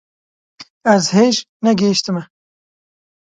Ez hêj ne gehîştime